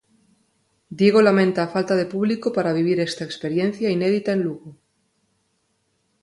Diego lamenta a falta de público para vivir esta experiencia inédita en Lugo.